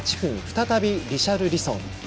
再びリシャルリソン。